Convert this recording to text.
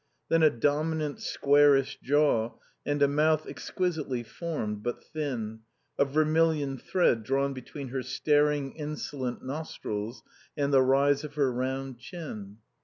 Then a dominant, squarish jaw, and a mouth exquisitely formed, but thin, a vermilion thread drawn between her staring, insolent nostrils and the rise of her round chin.